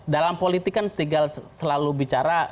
dalam politik kan tinggal selalu bicara